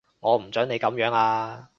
我唔準你噉樣啊